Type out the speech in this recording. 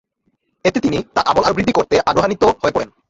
এতে তিনি তাঁর আমল আরো বৃদ্ধি করতে আগ্রহান্বিত হয়ে পড়েন।